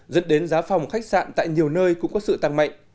dẫn đến giá phòng khách sạn tại nhiều nơi cũng có sự tăng mạnh